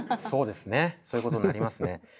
そうですねそういうことになりますね。